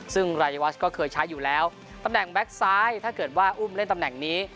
ซึ่งรายวัชก็เคยใช้อยู่แล้วตำแหน่งแก๊กซ้ายถ้าเกิดว่าอุ้มเล่นตำแหน่งนี้